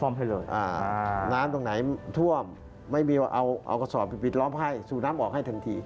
น้ำตรงไหนท่วมไม่มีว่าเอากระสอบไปปิดล้อมให้สูบน้ำออกให้ทันที